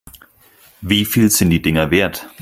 Wie viel sind die Dinger wert?